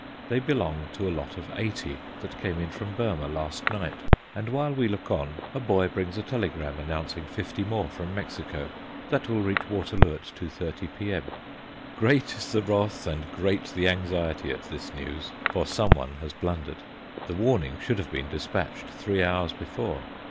They belong to a lot of eighty that came in from Burmah last night and while we look on, a boy brings a telegram announcing fifty more from Mexico, that will reach Waterloo at 2.30 p.m. Great is the wrath and great the anxiety at this news, for some one has blundered; the warning should have been despatched three hours before.